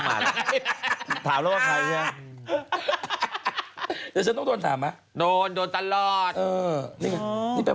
กระเทยเก่งกว่าเออแสดงความเป็นเจ้าข้าว